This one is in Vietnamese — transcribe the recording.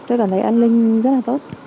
tôi cảm thấy an ninh rất là tốt